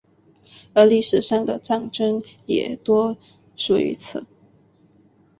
而历史上的战争也多属于此。